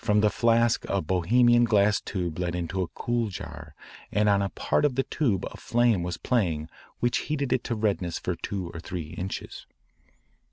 From the flask a Bohemian glass tube led into a cool jar and on a part of the tube a flame was playing which heated it to redness for two or three inches.